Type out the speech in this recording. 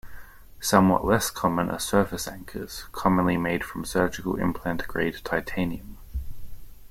Somewhat less common are surface anchors, commonly made from surgical implant-grade titanium.